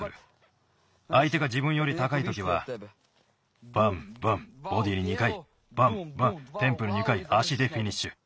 あいてがじぶんよりたかいときはバンバンボディーに２かいバンバンテンプル２かいあしでフィニッシュ。